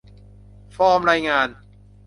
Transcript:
ฟอร์มรายงาน